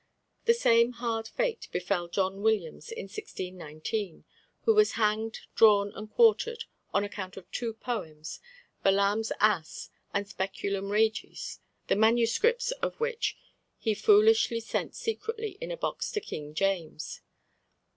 The same hard fate befell John Williams in 1619, who was hanged, drawn, and quartered, on account of two poems, Balaam's Ass and Speculum Regis, the MSS. of which he foolishly sent secretly in a box to King James.